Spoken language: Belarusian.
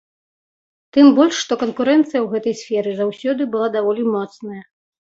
Тым больш, што канкурэнцыя ў гэтай сферы заўсёды была даволі моцная.